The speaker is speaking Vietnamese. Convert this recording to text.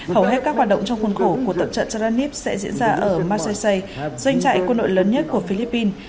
hầu hết các hoạt động trong khuôn khổ của tập trận turraniv sẽ diễn ra ở massagei doanh trại quân đội lớn nhất của philippines